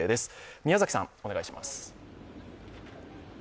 宮嵜さん、お願いします。